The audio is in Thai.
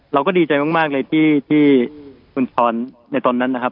เราก็ดีใจมากเลยคุณชนในครั้งนี้